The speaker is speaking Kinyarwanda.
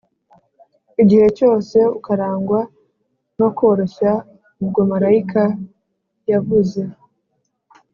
igihe cyose ukarangwa no koroshyaubwo malayika yavuze